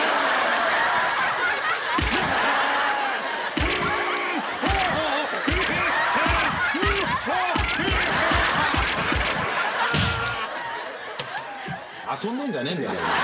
遊んでんじゃねえんだよお前。